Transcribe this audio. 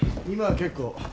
今は結構。